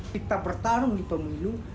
kita bertarung di pemilu